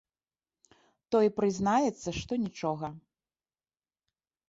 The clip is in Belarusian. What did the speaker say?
Той прызнаецца, што нічога.